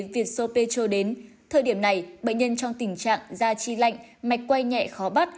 việt sô pê châu đến thời điểm này bệnh nhân trong tình trạng da chi lạnh mạch quay nhẹ khó bắt